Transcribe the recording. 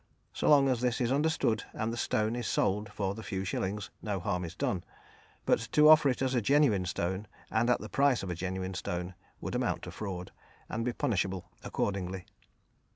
So long as this is understood and the stone is sold for the few shillings, no harm is done; but to offer it as a genuine stone and at the price of a genuine stone, would amount to fraud, and be punishable accordingly.